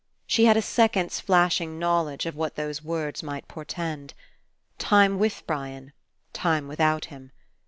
She had a second's flashing knowledge of what those words might portend. Time with Brian. Time without him.